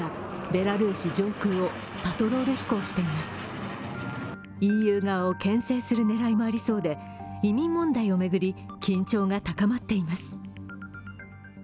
ＥＵ側をけん制する狙いもありそうで、移民問題を巡り緊張が高まっています。